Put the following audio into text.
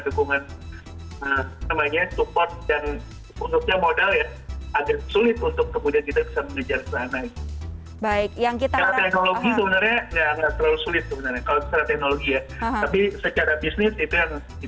secara teknologi sebenarnya gak terlalu sulit sebenarnya kalau secara teknologi ya tapi secara bisnis itu yang jadi kendala